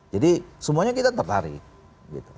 jadi semuanya kita tertarik gitu